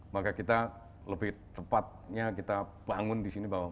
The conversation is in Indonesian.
maka kita lebih cepatnya kita bangun di sini bahwa